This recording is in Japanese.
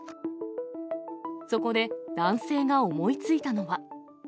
そこで、男性が思いついたのは。